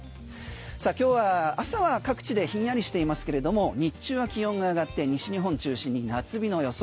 さあ今日は朝は各地でひんやりしていますけれども日中は気温が上がって西日本中心に夏日の予想。